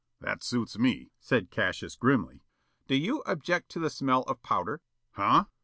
"That suits me," said Cassius grimly. "Do you object to the smell of powder?" "Huh?"